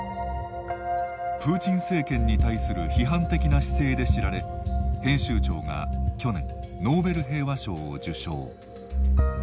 プーチン政権に対する批判的な姿勢で知られ編集長が去年ノーベル平和賞を受賞。